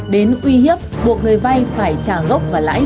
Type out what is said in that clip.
đến uy hiếp buộc người vay phải trả gốc và lãi